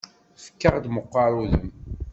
Fek-aɣ-d meqqaṛ udem.